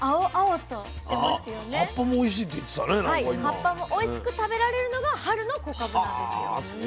葉っぱもおいしく食べられるのが春の小かぶなんですよ。